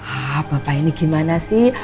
ah bapak ini gimana sih